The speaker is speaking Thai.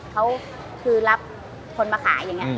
เขาคือรับคนมาขายอย่างนี้